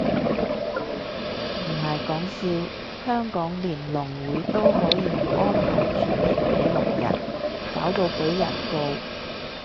唔係講笑，香港連聾會都可以唔安排傳譯俾聾人，搞到被人告